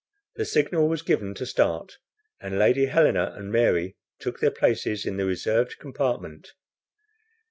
The signal was given to start, and Lady Helena and Mary took their places in the reserved compartment.